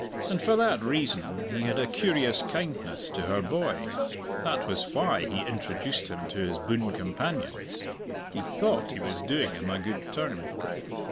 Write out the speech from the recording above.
And for that reason he had a curious kindness to her boy. That was why he introduced him to his boon companions. He thought he was doing him a good turn.